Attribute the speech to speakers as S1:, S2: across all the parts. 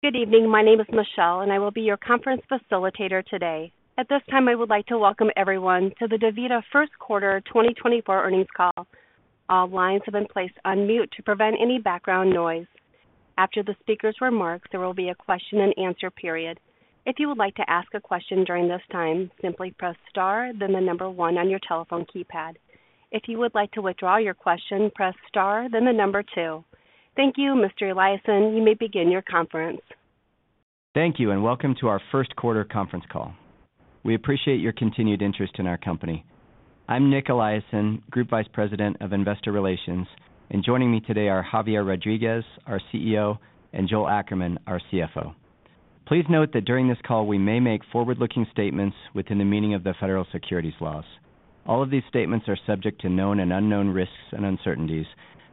S1: Good evening. My name is Michelle, and I will be your conference facilitator today. At this time, I would like to welcome everyone to the DaVita First Quarter 2024 Earnings Call. All lines have been placed on mute to prevent any background noise. After the speaker's remarks, there will be a question-and-answer period. If you would like to ask a question during this time, simply press star, then one on your telephone keypad. If you would like to withdraw your question, press star, then two. Thank you, Mr. Eliason. You may begin your conference.
S2: Thank you, and welcome to our first quarter conference call. We appreciate your continued interest in our company. I'm Nic Eliason, Group Vice President of Investor Relations, and joining me today are Javier Rodriguez, our CEO, and Joel Ackerman, our CFO. Please note that during this call, we may make forward-looking statements within the meaning of the federal securities laws. All of these statements are subject to known and unknown risks and uncertainties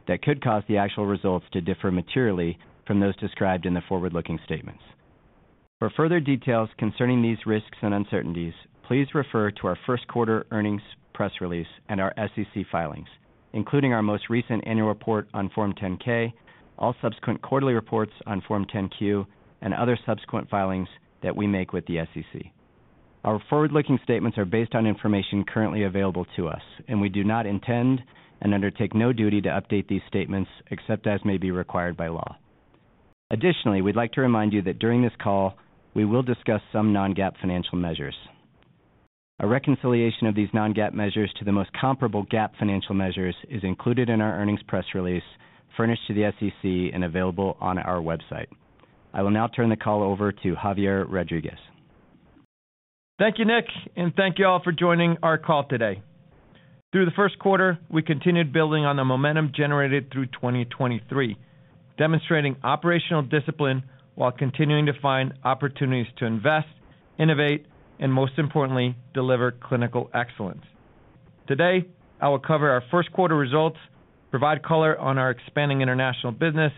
S2: that could cause the actual results to differ materially from those described in the forward-looking statements. For further details concerning these risks and uncertainties, please refer to our first quarter earnings press release and our SEC filings, including our most recent annual report on Form 10-K, all subsequent quarterly reports on Form 10-Q, and other subsequent filings that we make with the SEC. Our forward-looking statements are based on information currently available to us, and we do not intend and undertake no duty to update these statements except as may be required by law. Additionally, we'd like to remind you that during this call, we will discuss some non-GAAP financial measures. A reconciliation of these non-GAAP measures to the most comparable GAAP financial measures is included in our earnings press release, furnished to the SEC, and available on our website. I will now turn the call over to Javier Rodriguez.
S3: Thank you, Nic, and thank you all for joining our call today. Through the first quarter, we continued building on the momentum generated through 2023, demonstrating operational discipline while continuing to find opportunities to invest, innovate, and most importantly, deliver clinical excellence. Today, I will cover our first quarter results, provide color on our expanding international business,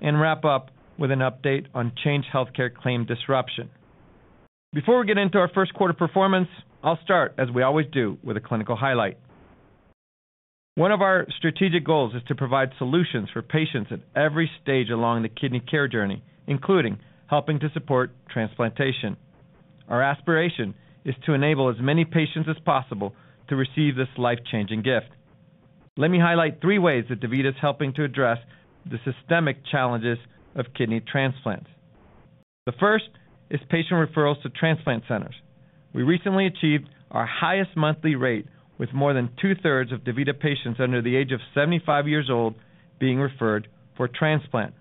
S3: and wrap up with an update on Change Healthcare claim disruption. Before we get into our first quarter performance, I'll start, as we always do, with a clinical highlight. One of our strategic goals is to provide solutions for patients at every stage along the kidney care journey, including helping to support transplantation. Our aspiration is to enable as many patients as possible to receive this life-changing gift. Let me highlight three ways that DaVita is helping to address the systemic challenges of kidney transplants. The first is patient referrals to transplant centers. We recently achieved our highest monthly rate, with more than two-thirds of DaVita patients under the age of 75 years old being referred for transplant.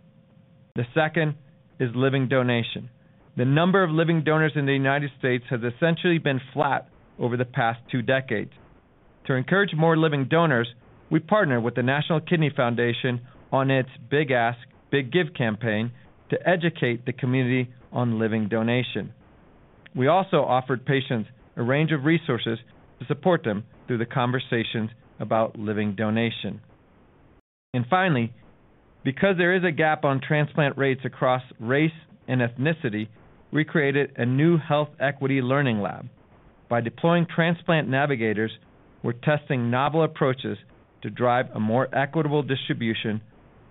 S3: The second is living donation. The number of living donors in the United States has essentially been flat over the past two decades. To encourage more living donors, we partnered with the National Kidney Foundation on its Big Ask Big Give campaign to educate the community on living donation. We also offered patients a range of resources to support them through the conversations about living donation. And finally, because there is a gap on transplant rates across race and ethnicity, we created a new health equity learning lab. By deploying transplant navigators, we're testing novel approaches to drive a more equitable distribution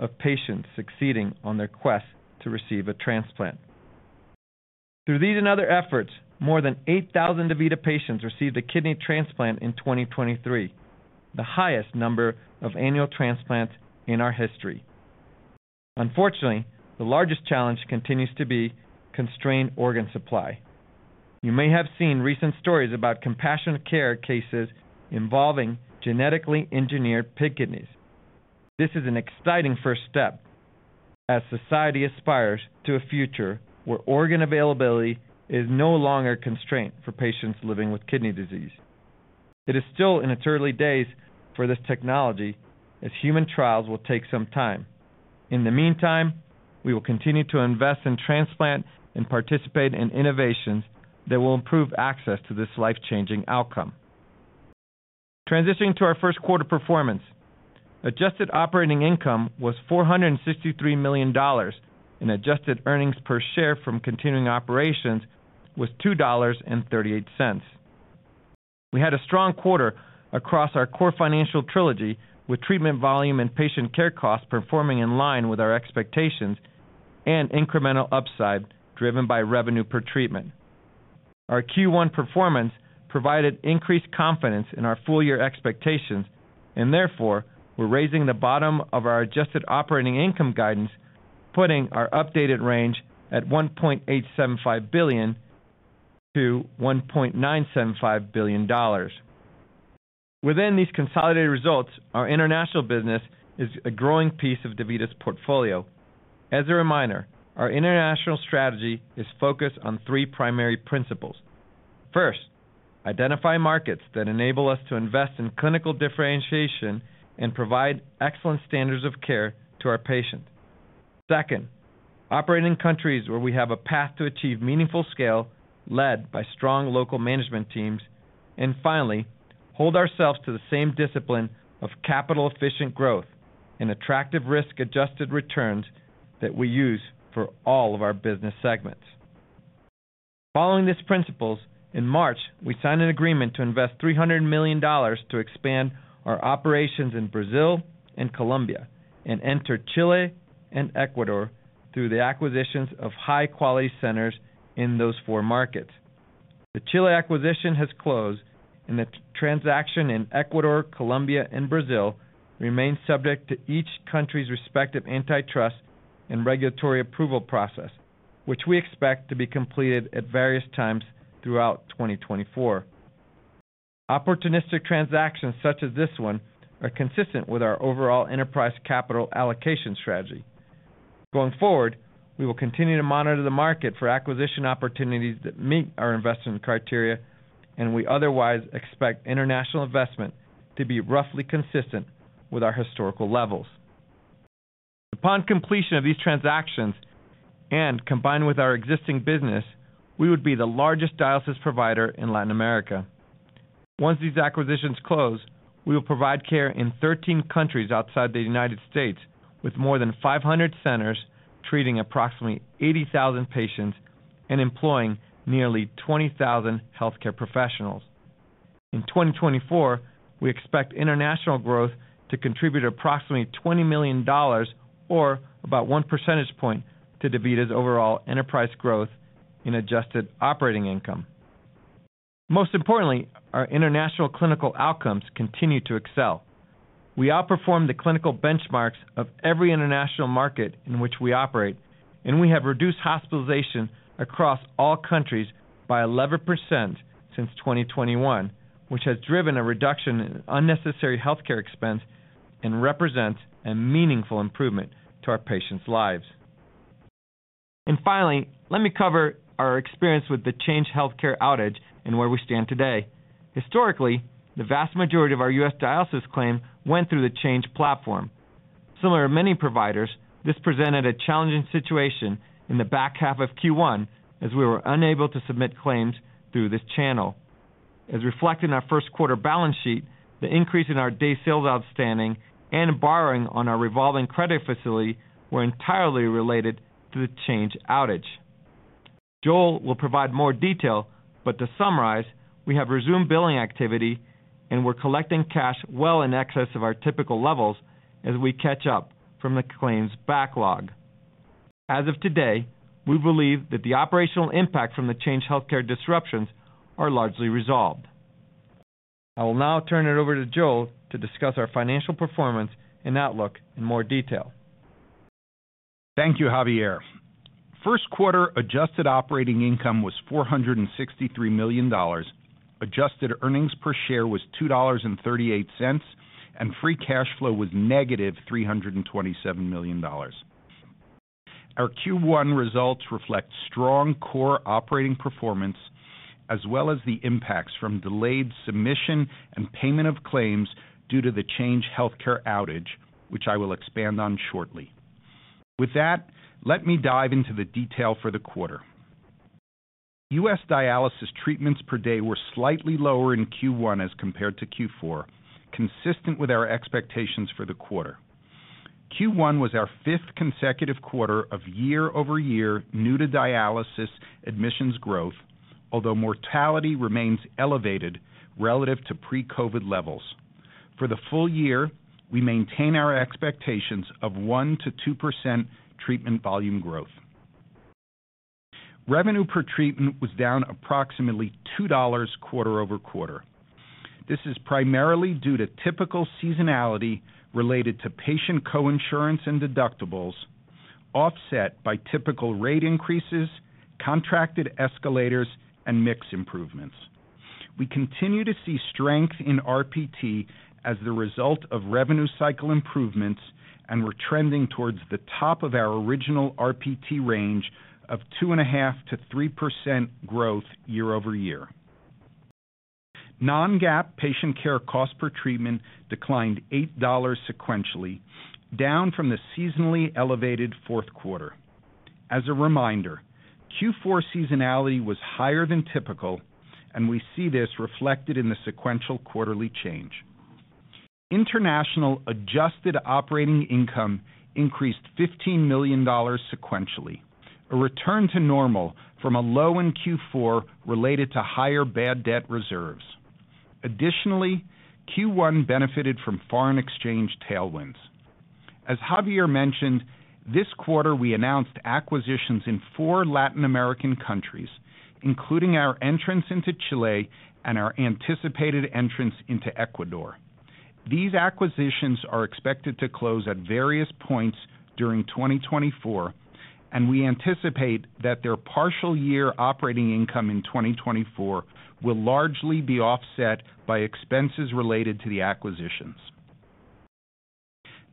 S3: of patients succeeding on their quest to receive a transplant. Through these and other efforts, more than 8,000 DaVita patients received a kidney transplant in 2023, the highest number of annual transplants in our history. Unfortunately, the largest challenge continues to be constrained organ supply. You may have seen recent stories about compassionate care cases involving genetically engineered pig kidneys. This is an exciting first step as society aspires to a future where organ availability is no longer a constraint for patients living with kidney disease. It is still in its early days for this technology, as human trials will take some time. In the meantime, we will continue to invest in transplants and participate in innovations that will improve access to this life-changing outcome. Transitioning to our first quarter performance, adjusted operating income was $463 million, and adjusted earnings per share from continuing operations was $2.38. We had a strong quarter across our core financial trilogy, with treatment volume and patient care costs performing in line with our expectations and incremental upside, driven by revenue per treatment. Our Q1 performance provided increased confidence in our full year expectations, and therefore, we're raising the bottom of our adjusted operating income guidance, putting our updated range at $1.875 billion-$1.975 billion. Within these consolidated results, our international business is a growing piece of DaVita's portfolio. As a reminder, our international strategy is focused on three primary principles. First, identify markets that enable us to invest in clinical differentiation and provide excellent standards of care to our patients. Second, operate in countries where we have a path to achieve meaningful scale, led by strong local management teams. Finally, hold ourselves to the same discipline of capital-efficient growth and attractive risk-adjusted returns that we use for all of our business segments. Following these principles, in March, we signed an agreement to invest $300 million to expand our operations in Brazil and Colombia, and enter Chile and Ecuador through the acquisitions of high-quality centers in those four markets. The Chile acquisition has closed, and the transaction in Ecuador, Colombia, and Brazil remains subject to each country's respective antitrust and regulatory approval process, which we expect to be completed at various times throughout 2024. Opportunistic transactions such as this one are consistent with our overall enterprise capital allocation strategy. Going forward, we will continue to monitor the market for acquisition opportunities that meet our investment criteria, and we otherwise expect international investment to be roughly consistent with our historical levels. Upon completion of these transactions, and combined with our existing business, we would be the largest dialysis provider in Latin America. Once these acquisitions close, we will provide care in 13 countries outside the United States, with more than 500 centers, treating approximately 80,000 patients and employing nearly 20,000 healthcare professionals. In 2024, we expect international growth to contribute approximately $20 million or about 1 percentage point to DaVita's overall enterprise growth in adjusted operating income. Most importantly, our international clinical outcomes continue to excel. We outperform the clinical benchmarks of every international market in which we operate, and we have reduced hospitalization across all countries by 11% since 2021, which has driven a reduction in unnecessary healthcare expense and represents a meaningful improvement to our patients' lives. Finally, let me cover our experience with the Change Healthcare outage and where we stand today. Historically, the vast majority of our U.S. dialysis claim went through the Change Healthcare platform. Similar to many providers, this presented a challenging situation in the back half of Q1, as we were unable to submit claims through this channel. As reflected in our first quarter balance sheet, the increase in our Days Sales Outstanding and borrowing on our revolving credit facility were entirely related to the Change Healthcare outage. Joel will provide more detail, but to summarize, we have resumed billing activity, and we're collecting cash well in excess of our typical levels as we catch up from the claims backlog. As of today, we believe that the operational impact from the Change Healthcare disruptions are largely resolved. I will now turn it over to Joel to discuss our financial performance and outlook in more detail.
S4: Thank you, Javier. First quarter adjusted operating income was $463 million. Adjusted earnings per share was $2.38, and free cash flow was -$327 million. Our Q1 results reflect strong core operating performance, as well as the impacts from delayed submission and payment of claims due to the Change Healthcare outage, which I will expand on shortly. With that, let me dive into the detail for the quarter. US dialysis treatments per day were slightly lower in Q1 as compared to Q4, consistent with our expectations for the quarter. Q1 was our 5th consecutive quarter of year-over-year new to dialysis admissions growth, although mortality remains elevated relative to pre-COVID levels. For the full year, we maintain our expectations of 1%-2% treatment volume growth. Revenue per treatment was down approximately $2 quarter-over-quarter. This is primarily due to typical seasonality related to patient coinsurance and deductibles, offset by typical rate increases, contracted escalators, and mix improvements. We continue to see strength in RPT as the result of revenue cycle improvements, and we're trending towards the top of our original RPT range of 2.5%-3% growth year-over-year. Non-GAAP patient care cost per treatment declined $8 sequentially, down from the seasonally elevated fourth quarter. As a reminder, Q4 seasonality was higher than typical, and we see this reflected in the sequential quarterly change. International adjusted operating income increased $15 million sequentially, a return to normal from a low in Q4 related to higher bad debt reserves. Additionally, Q1 benefited from foreign exchange tailwinds. As Javier mentioned, this quarter, we announced acquisitions in four Latin American countries, including our entrance into Chile and our anticipated entrance into Ecuador. These acquisitions are expected to close at various points during 2024, and we anticipate that their partial year operating income in 2024 will largely be offset by expenses related to the acquisitions.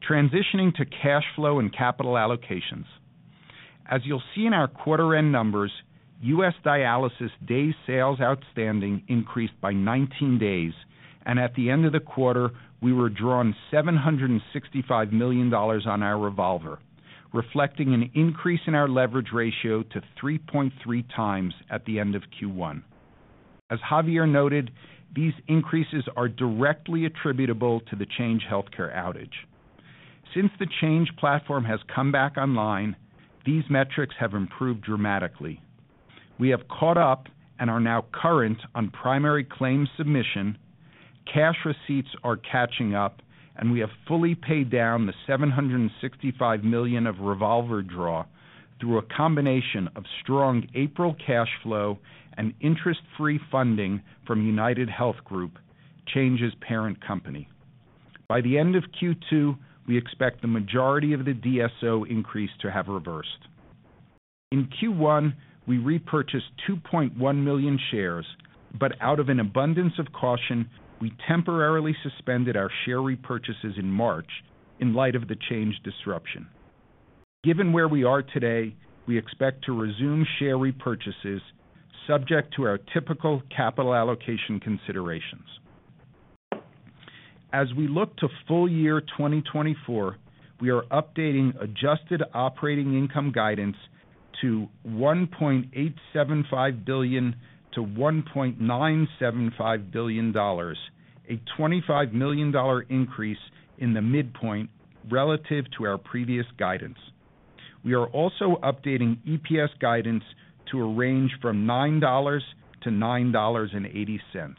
S4: Transitioning to cash flow and capital allocations. As you'll see in our quarter-end numbers, U.S. dialysis Day Sales Outstanding increased by 19 days, and at the end of the quarter, we were drawn $765 million on our revolver, reflecting an increase in our leverage ratio to 3.3x at the end of Q1. As Javier noted, these increases are directly attributable to the Change Healthcare outage. Since the Change platform has come back online, these metrics have improved dramatically. We have caught up and are now current on primary claim submission. Cash receipts are catching up, and we have fully paid down the $765 million of revolver draw through a combination of strong April cash flow and interest-free funding from UnitedHealth Group, Change's parent company. By the end of Q2, we expect the majority of the DSO increase to have reversed. In Q1, we repurchased 2.1 million shares, but out of an abundance of caution, we temporarily suspended our share repurchases in March in light of the Change disruption. Given where we are today, we expect to resume share repurchases subject to our typical capital allocation considerations. As we look to full year 2024, we are updating adjusted operating income guidance to $1.875 billion-$1.975 billion, a $25 million increase in the midpoint relative to our previous guidance. We are also updating EPS guidance to a range from $9-$9.80.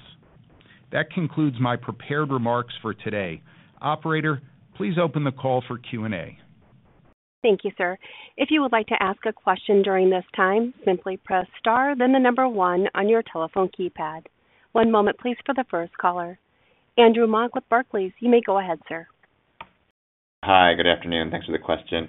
S4: That concludes my prepared remarks for today. Operator, please open the call for Q&A.
S1: Thank you, sir. If you would like to ask a question during this time, simply press star, then the number one on your telephone keypad. One moment, please, for the first caller. Andrew Mok with Barclays. You may go ahead, sir.
S5: Hi, good afternoon. Thanks for the question.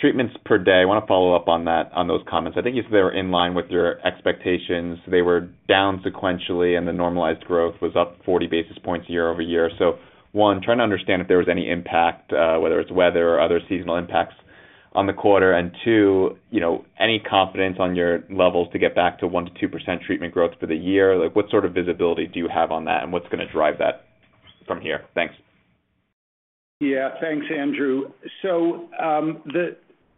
S5: Treatments per day, I want to follow up on that, on those comments. I think you said they were in line with your expectations. They were down sequentially, and the normalized growth was up 40 basis points year-over-year. So one, trying to understand if there was any impact, whether it's weather or other seasonal impacts on the quarter. And two, you know, any confidence on your levels to get back to 1%-2% treatment growth for the year? Like, what sort of visibility do you have on that, and what's gonna drive that from here? Thanks.
S4: Yeah, thanks, Andrew. So,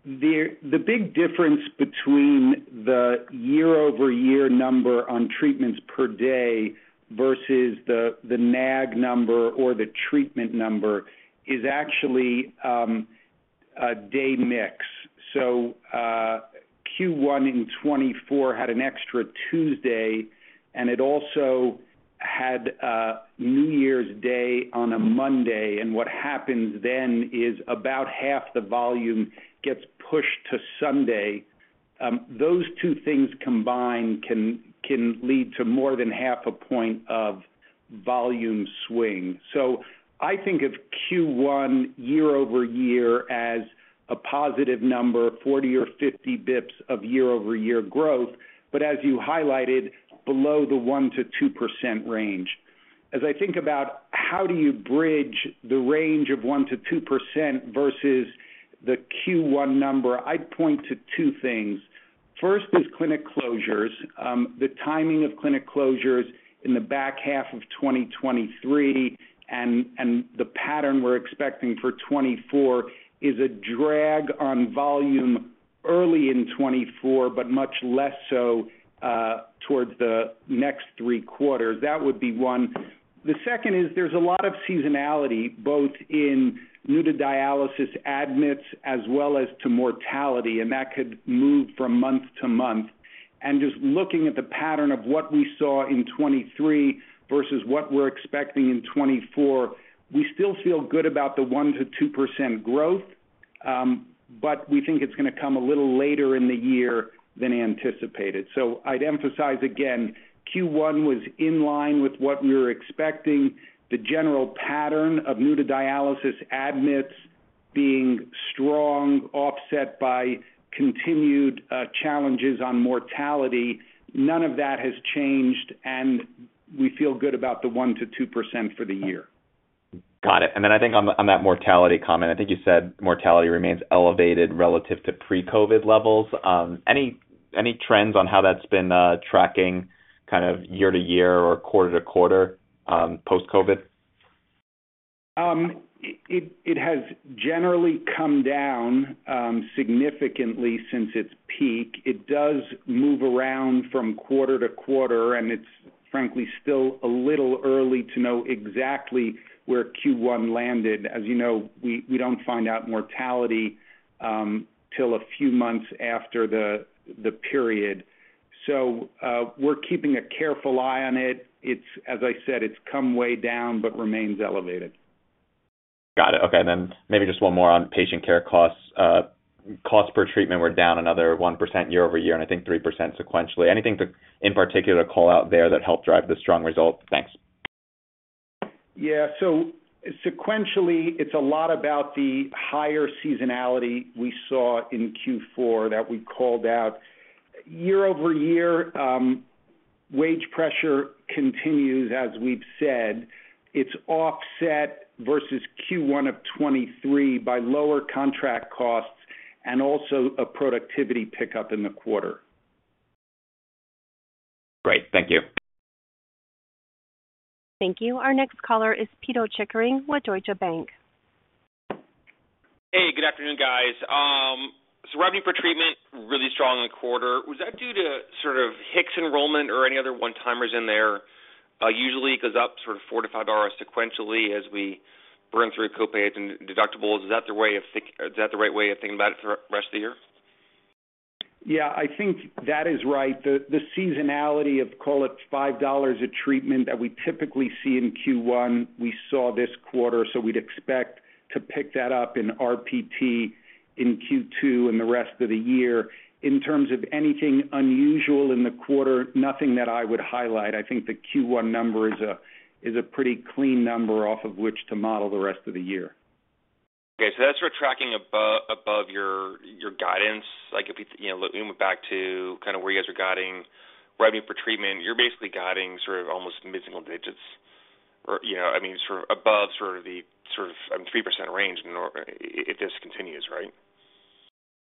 S4: the big difference between the year-over-year number on treatments per day versus the NAG number or the treatment number is actually a day mix. So, Q1 in 2024 had an extra Tuesday, and it also had a New Year's Day on a Monday, and what happens then is about half the volume gets pushed to Sunday. Those two things combined can lead to more than half a point of volume swing. So I think of Q1 year-over-year as a positive number, 40 bps or 50 bps of year-over-year growth, but as you highlighted, below the 1%-2% range. As I think about how do you bridge the range of 1%-2% versus the Q1 number, I'd point to two things. First is clinic closures. The timing of clinic closures in the back half of 2023 and the pattern we're expecting for 2024 is a drag on volume early in 2024, but much less so towards the next three quarters. That would be one. The second is there's a lot of seasonality, both in new to dialysis admits as well as to mortality, and that could move from month to month. And just looking at the pattern of what we saw in 2023 versus what we're expecting in 2024, we still feel good about the 1%-2% growth, but we think it's gonna come a little later in the year than anticipated. So I'd emphasize again, Q1 was in line with what we were expecting. The general pattern of new to dialysis admits being strong, offset by continued challenges on mortality. None of that has changed, and we feel good about the 1%-2% for the year.
S5: Got it. And then I think on that mortality comment, I think you said mortality remains elevated relative to pre-COVID levels. Any trends on how that's been tracking kind of year to year or quarter to quarter post-COVID?
S4: It has generally come down significantly since its peak. It does move around from quarter to quarter, and it's frankly still a little early to know exactly where Q1 landed. As you know, we don't find out mortality till a few months after the period. So, we're keeping a careful eye on it. As I said, it's come way down but remains elevated.
S5: Got it. Okay. Then maybe just one more on patient care costs. Costs per treatment were down another 1% year-over-year, and I think 3% sequentially. Anything to, in particular, to call out there that helped drive the strong result? Thanks.
S4: Yeah. So sequentially, it's a lot about the higher seasonality we saw in Q4 that we called out. Year-over-year, wage pressure continues, as we've said. It's offset versus Q1 of 2023 by lower contract costs and also a productivity pickup in the quarter.
S5: Great. Thank you.
S1: Thank you. Our next caller is Pito Chickering with Deutsche Bank.
S6: Hey, good afternoon, guys. So revenue per treatment, really strong in the quarter. Was that due to sort of HIX enrollment or any other one-timers in there? Usually it goes up sort of $4-$5 sequentially as we burn through copays and deductibles. Is that the way of think- is that the right way of thinking about it for the rest of the year?
S4: Yeah, I think that is right. The seasonality of, call it $5 a treatment that we typically see in Q1, we saw this quarter, so we'd expect to pick that up in RPT in Q2 and the rest of the year. In terms of anything unusual in the quarter, nothing that I would highlight. I think the Q1 number is a pretty clean number off of which to model the rest of the year.
S6: Okay, so that's sort of tracking above your guidance. Like, if we, you know, look back to kind of where you guys are guiding revenue per treatment, you're basically guiding sort of almost in decimal digits or, you know, I mean, sort of above the 3% range or if this continues, right?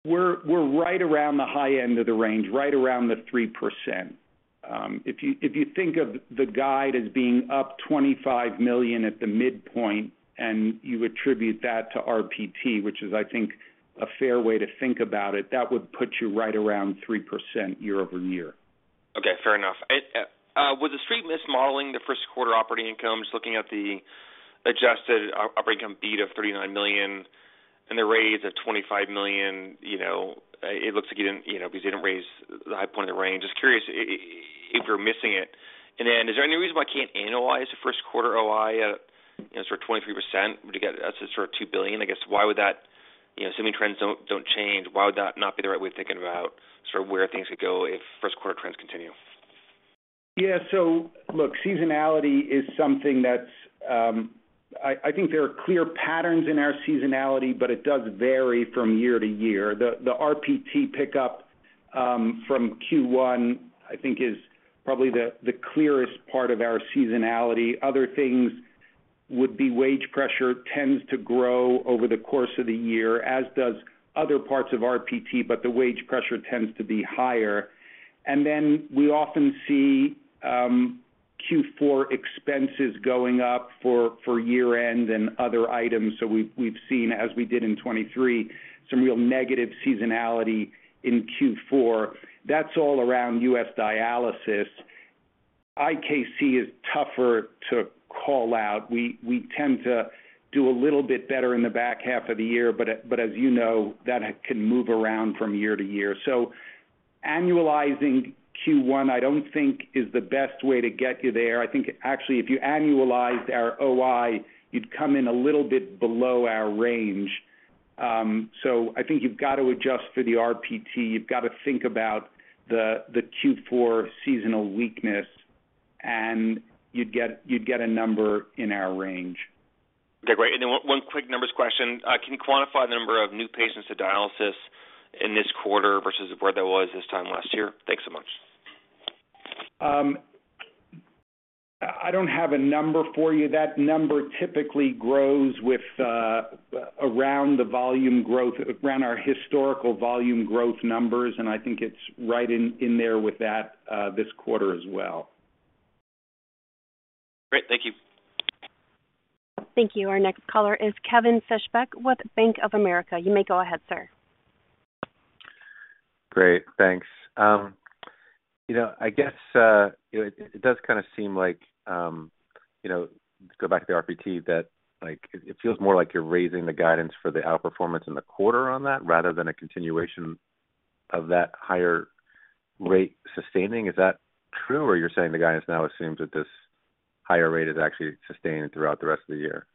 S4: We're, we're right around the high end of the range, right around the 3%. If you, if you think of the guide as being up $25 million at the midpoint, and you attribute that to RPT, which is, I think, a fair way to think about it, that would put you right around 3% year-over-year.
S6: Okay, fair enough. It was the street miss modeling the first quarter operating income, just looking at the adjusted operating income beat of $39 million and the raise of $25 million, you know, it looks like you didn't, you know, because you didn't raise the high point of the range. Just curious, if you're missing it, and then is there any reason why I can't annualize the first quarter OI at 23% to get us to $2 billion? I guess, why would that, you know, assuming trends don't change, why would that not be the right way of thinking about where things could go if first quarter trends continue?
S4: Yeah. So look, seasonality is something that's, I think there are clear patterns in our seasonality, but it does vary from year to year. The RPT pickup from Q1, I think, is probably the clearest part of our seasonality. Other things would be wage pressure tends to grow over the course of the year, as does other parts of RPT, but the wage pressure tends to be higher. And then we often see Q4 expenses going up for year-end and other items. So we've seen, as we did in 2023, some real negative seasonality in Q4. That's all around U.S. dialysis. IKC is tougher to call out. We tend to do a little bit better in the back half of the year, but as you know, that can move around from year to year. So annualizing Q1, I don't think is the best way to get you there. I think actually, if you annualized our OI, you'd come in a little bit below our range. So I think you've got to adjust for the RPT. You've got to think about the Q4 seasonal weakness, and you'd get a number in our range.
S6: Okay, great. One quick numbers question. Can you quantify the number of new patients to dialysis in this quarter versus where that was this time last year? Thanks so much.
S4: I don't have a number for you. That number typically grows with around the volume growth, around our historical volume growth numbers, and I think it's right in there with that this quarter as well.
S6: Great. Thank you.
S1: Thank you. Our next caller is Kevin Fishbeck with Bank of America. You may go ahead, sir.
S7: Great. Thanks. You know, I guess, it does kind of seem like, you know, go back to the RPT, that, like, it feels more like you're raising the guidance for the outperformance in the quarter on that, rather than a continuation of that higher rate sustaining. Is that true, or you're saying the guidance now assumes that this higher rate is actually sustained throughout the rest of the year?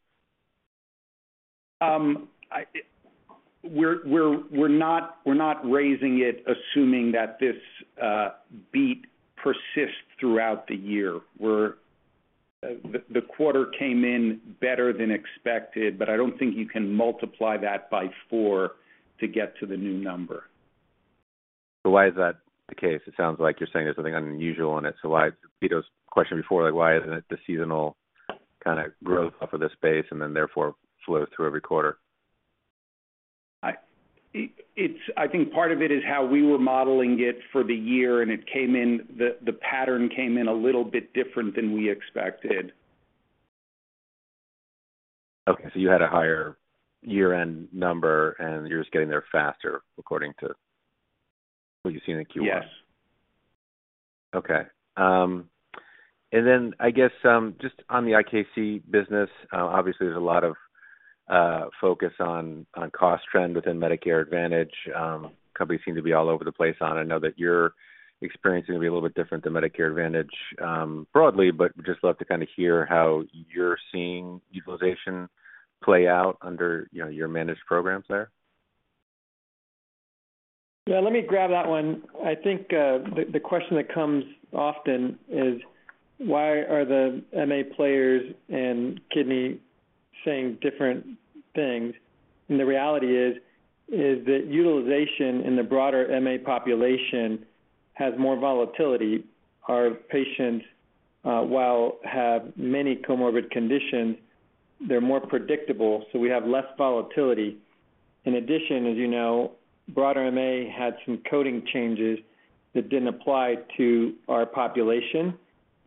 S4: We're not raising it assuming that this beat persists throughout the year. The quarter came in better than expected, but I don't think you can multiply that by four to get to the new number.
S7: So why is that the case? It sounds like you're saying there's something unusual in it, so why, DaVita's question before, like, why isn't it the seasonal kind of growth for this space and then therefore flow through every quarter?
S4: It's. I think part of it is how we were modeling it for the year, and it came in, the pattern came in a little bit different than we expected.
S7: Okay, you had a higher year-end number, and you're just getting there faster, according to what you see in the Q1?
S4: Yes.
S7: Okay. And then I guess, just on the IKC business, obviously, there's a lot of focus on cost trend within Medicare Advantage. Companies seem to be all over the place on it. I know that your experience is gonna be a little bit different than Medicare Advantage, broadly, but just love to kind of hear how you're seeing utilization play out under, you know, your managed programs there.
S3: Yeah, let me grab that one. I think, the question that comes often is: Why are the MA players and kidney saying different things? And the reality is that utilization in the broader MA population has more volatility. Our patients, while have many comorbid conditions, they're more predictable, so we have less volatility. In addition, as you know, broader MA had some coding changes that didn't apply to our population,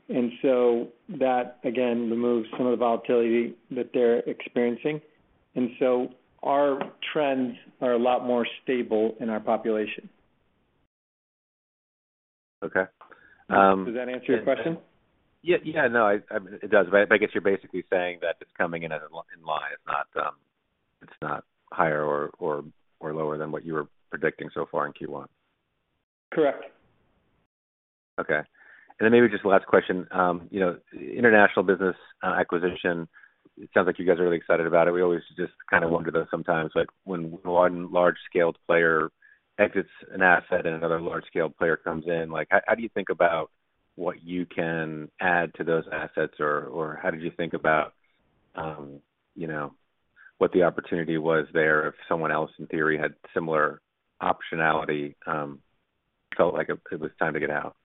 S3: and so that, again, removes some of the volatility that they're experiencing. And so our trends are a lot more stable in our population.
S7: Okay.
S3: Does that answer your question?
S7: Yeah, yeah, no, I, it does. But I guess you're basically saying that it's coming in in line. It's not, it's not higher or lower than what you were predicting so far in Q1.
S3: Correct.
S7: Okay. And then maybe just the last question. You know, international business acquisition, it sounds like you guys are really excited about it. We always just kind of wonder though sometimes, like when one large-scaled player exits an asset and another large-scale player comes in, like, how do you think about what you can add to those assets? Or how did you think about, you know, what the opportunity was there if someone else, in theory, had similar optionality, felt like it was time to get out?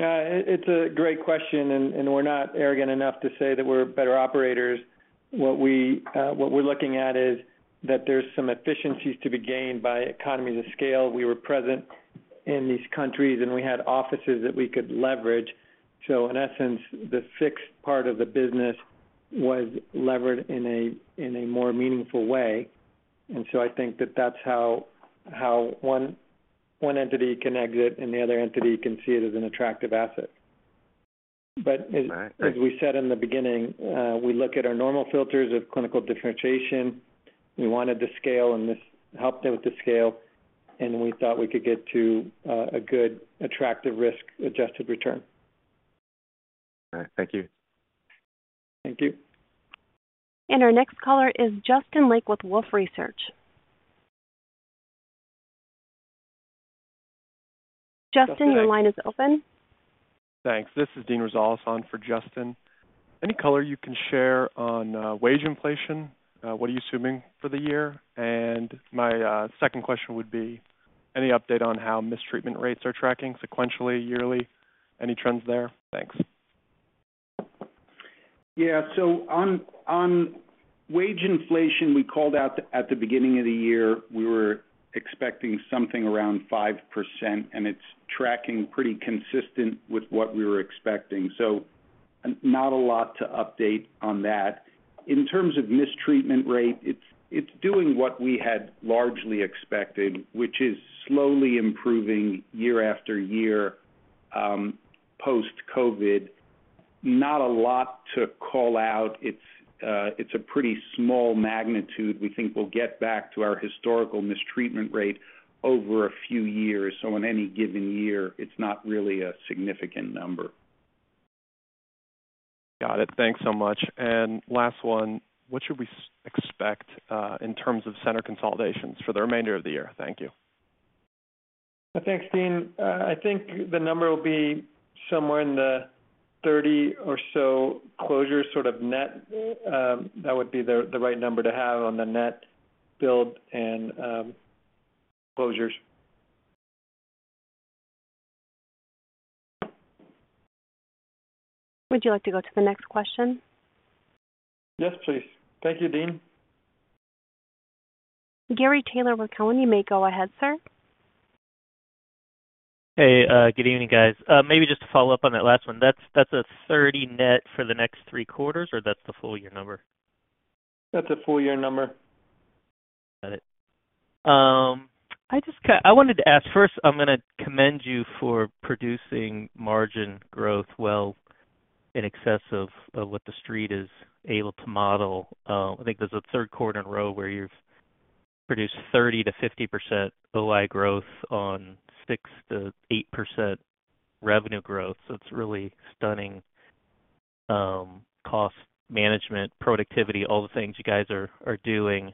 S3: Yeah, it's a great question, and we're not arrogant enough to say that we're better operators. What we're looking at is that there's some efficiencies to be gained by economies of scale. We were present in these countries, and we had offices that we could leverage. So in essence, the fixed part of the business was levered in a more meaningful way. And so I think that that's how one entity can exit and the other entity can see it as an attractive asset.
S7: All right, great.
S3: But as, as we said in the beginning, we look at our normal filters of clinical differentiation. We wanted to scale, and this helped them with the scale, and we thought we could get to, a good, attractive, risk-adjusted return.
S7: All right. Thank you.
S3: Thank you.
S1: Our next caller is Justin Lake with Wolfe Research. Justin, your line is open.
S8: Thanks. This is Dean Rosell. Yeah. So on wage inflation, we called out at the beginning of the year, we were expecting something around 5%, and it's tracking pretty consistent with what we were expecting. So not a lot to update on that. In terms of mistreatment rate, it's doing what we had largely expected, which is slowly improving year after year, post-COVID. Not a lot to call out. It's a pretty small magnitude. We think we'll get back to our historical mistreatment rate over a few years. So in any given year, it's not really a significant number. Got it. Thanks so much. And last one, what should we expect in terms of center consolidations for the remainder of the year? Thank you.
S3: Thanks, Dean. I think the number will be somewhere in the 30 or so closures, sort of net. That would be the right number to have on the net build and closures.
S1: Would you like to go to the next question?
S4: Yes, please. Thank you, Dean.
S1: Gary Taylor with Cowen, you may go ahead, sir.
S9: Hey, good evening, guys. Maybe just to follow up on that last one, that's, that's a 30 net for the next 3 quarters, or that's the full year number?
S3: That's a full year number.
S9: Got it. I just wanted to ask, first, I'm gonna commend you for producing margin growth well in excess of what the street is able to model. I think there's a third quarter in a row where you've produced 30%-50% OI growth on 6%-8% revenue growth. So it's really stunning, cost management, productivity, all the things you guys are doing.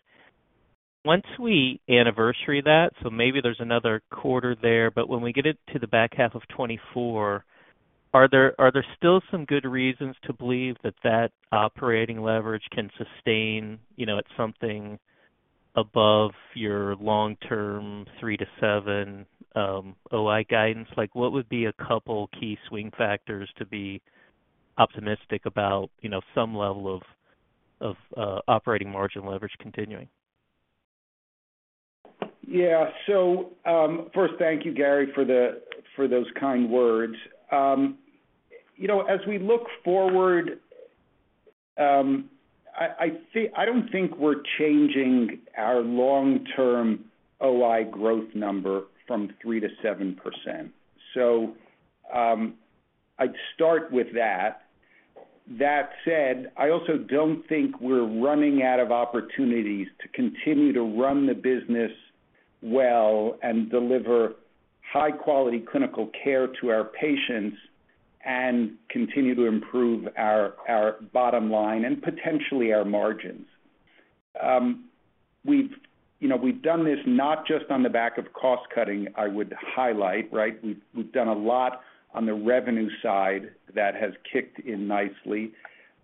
S9: Once we anniversary that, so maybe there's another quarter there, but when we get it to the back half of 2024, are there still some good reasons to believe that that operating leverage can sustain, you know, at something above your long-term 3-7 OI guidance? Like, what would be a couple key swing factors to be optimistic about, you know, some level of operating margin leverage continuing?
S4: Yeah. First, thank you, Gary, for those kind words. You know, as we look forward, I see. I don't think we're changing our long-term OI growth number from 3%-7%. I'd start with that. That said, I also don't think we're running out of opportunities to continue to run the business well and deliver high-quality clinical care to our patients and continue to improve our bottom line and potentially our margins. You know, we've done this not just on the back of cost-cutting, I would highlight, right? We've done a lot on the revenue side that has kicked in nicely,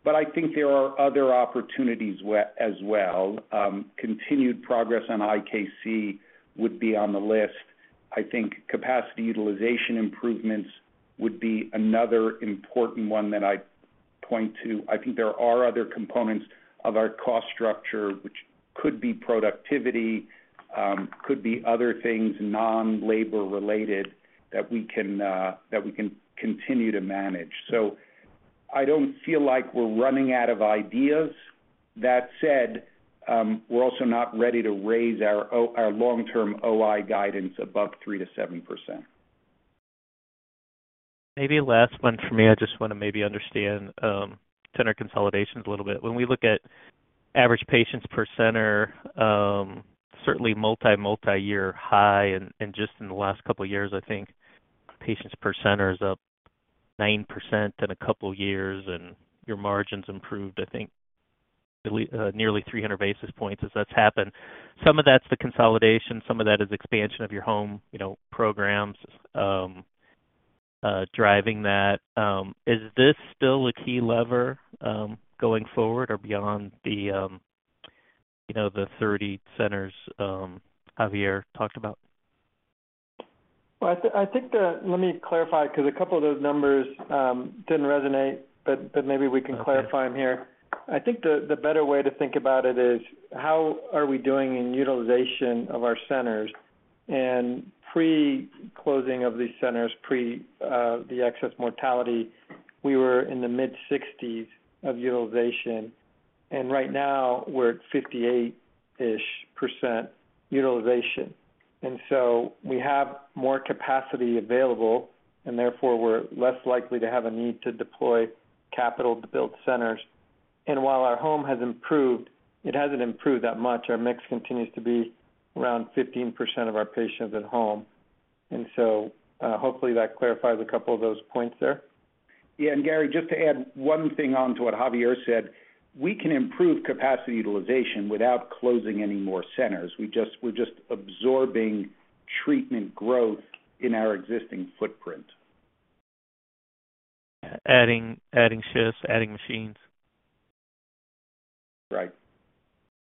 S4: but I think there are other opportunities as well. Continued progress on IKC would be on the list. I think capacity utilization improvements would be another important one that I'd point to. I think there are other components of our cost structure, which could be productivity, could be other things, non-labor related, that we can, that we can continue to manage. I don't feel like we're running out of ideas. That said, we're also not ready to raise our our long-term OI guidance above 3%-7%.
S10: Maybe a last one for me. I just wanna maybe understand center consolidations a little bit. When we look at average patients per center, certainly multi-year high, and just in the last couple of years, I think patients per center is up 9% in a couple of years, and your margins improved, I think, at least nearly 300 basis points as that's happened. Some of that's the consolidation, some of that is expansion of your home, you know, programs driving that. Is this still a key lever going forward or beyond the, you know, the 30 centers Javier talked about?
S3: Well, I think the... Let me clarify, 'cause a couple of those numbers didn't resonate, but maybe we can clarify them here. I think the better way to think about it is, how are we doing in utilization of our centers? And pre-closing of these centers, pre, the excess mortality, we were in the mid-60s of utilization, and right now we're at 58-ish% utilization. And so we have more capacity available, and therefore, we're less likely to have a need to deploy capital to build centers. And while our home has improved, it hasn't improved that much. Our mix continues to be around 15% of our patients at home. And so, hopefully that clarifies a couple of those points there.
S4: Yeah, and Gary, just to add one thing on to what Javier said, we can improve capacity utilization without closing any more centers. We just, we're just absorbing treatment growth in our existing footprint.
S10: Adding, adding shifts, adding machines.
S4: Right.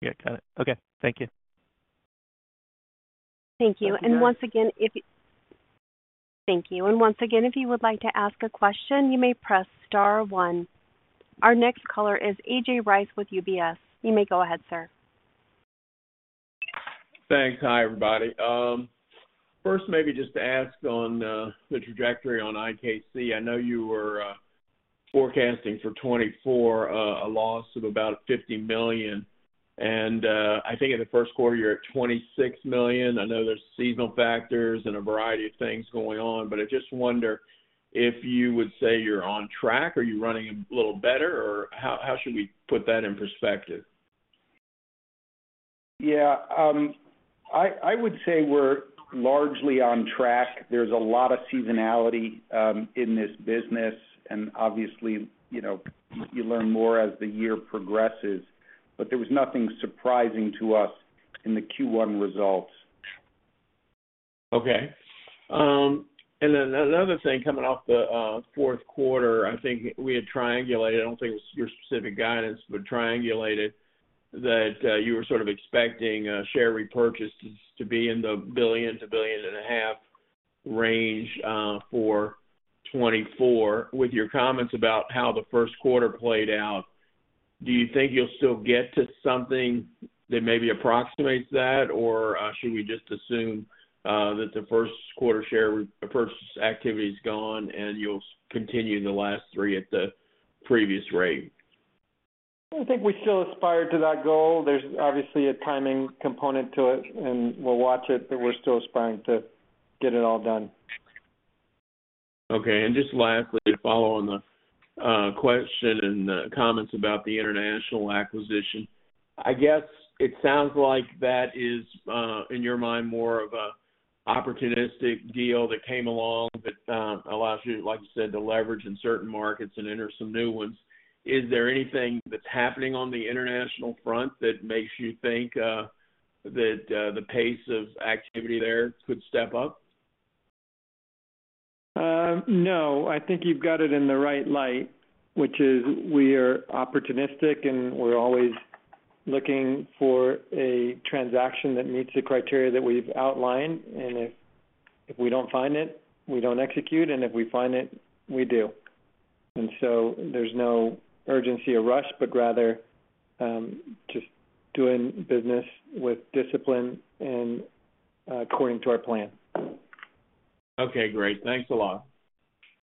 S10: Yeah, got it. Okay. Thank you.
S1: Thank you. And once again, thank you. And once again, if you would like to ask a question, you may press star one. Our next caller is A.J. Rice with UBS. You may go ahead, sir.
S11: Thanks. Hi, everybody. First, maybe just to ask on the trajectory on IKC. I know you were forecasting for 2024 a loss of about $50 million, and I think in the first quarter, you're at $26 million. I know there's seasonal factors and a variety of things going on, but I just wonder if you would say you're on track, or are you running a little better, or how should we put that in perspective?
S4: Yeah, I would say we're largely on track. There's a lot of seasonality in this business, and obviously, you know, you learn more as the year progresses, but there was nothing surprising to us in the Q1 results.
S11: Okay. And then another thing, coming off the fourth quarter, I think we had triangulated, I don't think it was your specific guidance, but triangulated that you were sort of expecting share repurchases to be in the $1 billion-$1.5 billion range for 2024. With your comments about how the first quarter played out, do you think you'll still get to something that maybe approximates that, or should we just assume that the first quarter share repurchase activity is gone, and you'll continue the last three at the previous rate?
S3: I think we still aspire to that goal. There's obviously a timing component to it, and we'll watch it, but we're still aspiring to get it all done.
S11: Okay. Just lastly, to follow on the question and comments about the international acquisition. I guess it sounds like that is, in your mind, more of an opportunistic deal that came along that allows you, like you said, to leverage in certain markets and enter some new ones. Is there anything that's happening on the international front that makes you think that the pace of activity there could step up?
S3: No, I think you've got it in the right light, which is we are opportunistic, and we're always looking for a transaction that meets the criteria that we've outlined. And if we don't find it, we don't execute, and if we find it, we do. And so there's no urgency or rush, but rather, just doing business with discipline and, according to our plan.
S11: Okay, great. Thanks a lot.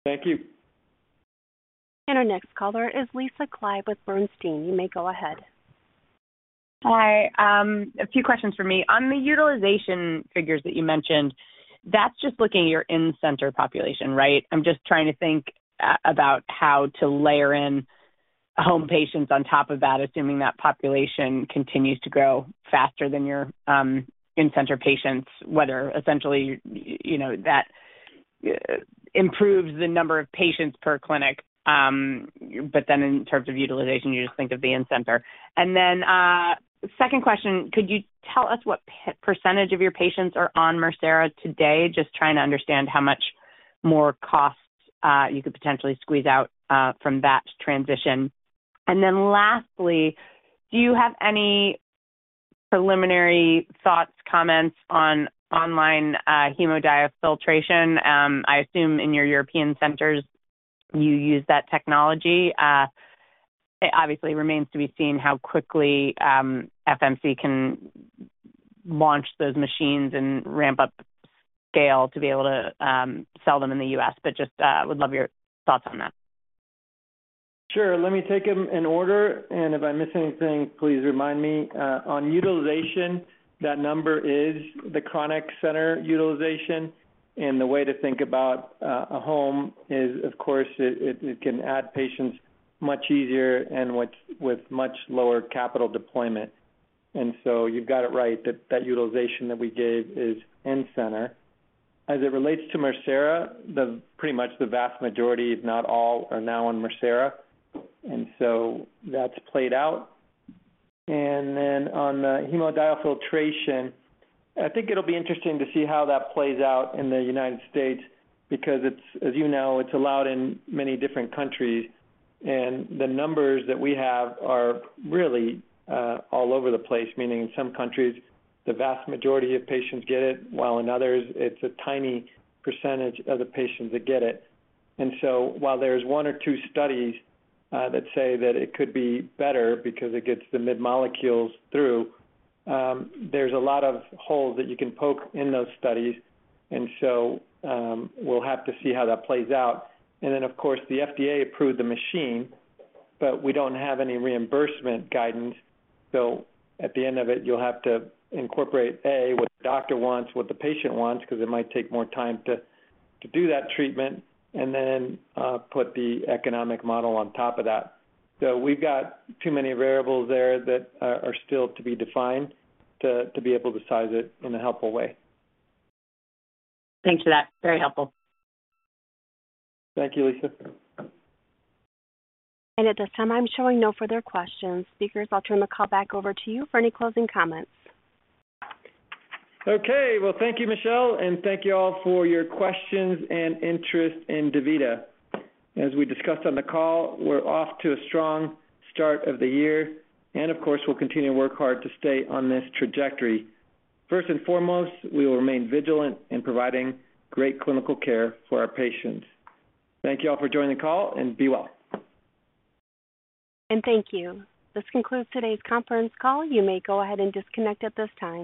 S3: Thank you.
S1: Our next caller is Lisa Clive with Bernstein. You may go ahead.
S12: Hi. A few questions for me. On the utilization figures that you mentioned, that's just looking at your in-center population, right? I'm just trying to think about how to layer in home patients on top of that, assuming that population continues to grow faster than your in-center patients, whether essentially, you know, that improves the number of patients per clinic, but then in terms of utilization, you just think of the in-center. And then second question, could you tell us what percentage of your patients are on Mircera today? Just trying to understand how much more costs you could potentially squeeze out from that transition. And then lastly, do you have any preliminary thoughts, comments on online hemodiafiltration? I assume in your European centers, you use that technology. It obviously remains to be seen how quickly, FMC can launch those machines and ramp up scale to be able to sell them in the U.S., but just would love your thoughts on that.
S3: Sure, let me take them in order, and if I miss anything, please remind me. On utilization, that number is the chronic center utilization. The way to think about a home is, of course, it can add patients much easier and with much lower capital deployment. So you've got it right, that utilization that we gave is in center. As it relates to Mircera, pretty much the vast majority, if not all, are now on Mircera, and so that's played out. Then on the hemodiafiltration, I think it'll be interesting to see how that plays out in the United States, because, as you know, it's allowed in many different countries, and the numbers that we have are really all over the place. Meaning in some countries, the vast majority of patients get it, while in others it's a tiny percentage of the patients that get it. And so, while there's one or two studies that say that it could be better because it gets the mid-molecules through, there's a lot of holes that you can poke in those studies, and so, we'll have to see how that plays out. And then, of course, the FDA approved the machine, but we don't have any reimbursement guidance. So at the end of it, you'll have to incorporate, A, what the doctor wants, what the patient wants, because it might take more time to do that treatment, and then, put the economic model on top of that. We've got too many variables there that are still to be defined to be able to size it in a helpful way.
S12: Thanks for that. Very helpful.
S3: Thank you, Lisa.
S1: At this time, I'm showing no further questions. Speakers, I'll turn the call back over to you for any closing comments.
S3: Okay, well, thank you, Michelle, and thank you all for your questions and interest in DaVita. As we discussed on the call, we're off to a strong start of the year, and of course, we'll continue to work hard to stay on this trajectory. First and foremost, we will remain vigilant in providing great clinical care for our patients. Thank you all for joining the call, and be well.
S1: And thank you. This concludes today's conference call. You may go ahead and disconnect at this time.